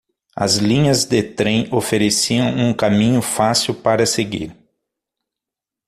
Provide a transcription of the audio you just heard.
As linhas de trem ofereciam um caminho fácil para seguir.